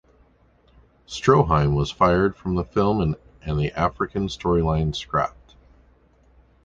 Stroheim was fired from the film and the African storyline scrapped.